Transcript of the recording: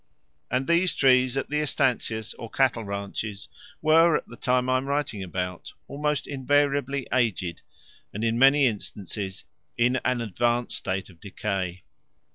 And these trees at the estancias or cattle ranches were, at the time I am writing about, almost invariably aged and in many instances in an advanced state of decay.